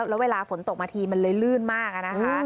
แล้วเวลาฝนตกมาทีมันเลยลื่นมากนะคะ